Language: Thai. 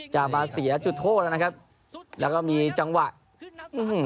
จะมาเสียจุดโทษแล้วนะครับแล้วก็มีจังหวะอืม